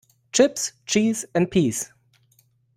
Chips, cheese and peas.